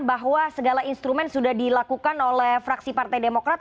bahwa segala instrumen sudah dilakukan oleh fraksi partai demokrat